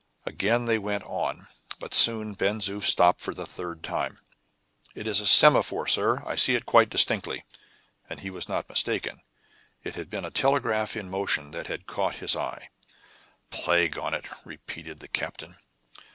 Again they went on; but soon Ben Zoof stopped for the third time. "It is a semaphore, sir; I see it quite distinctly." And he was not mistaken; it had been a telegraph in motion that had caught his eye. "Plague on it!" repeated the captain.